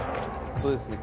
「そうですね」